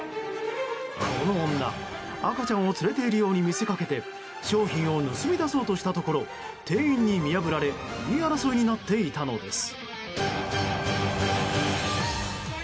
この女、赤ちゃんを連れているように見せかけて商品を盗み出そうとしたところ店員に見破られ言い争いになっていたのです。